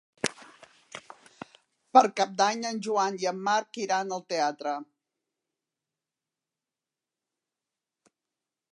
Per Cap d'Any en Joan i en Marc iran al teatre.